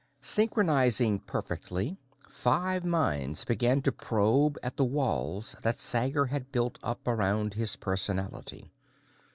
Synchronizing perfectly, five minds began to probe at the walls that Sager had built up around his personality.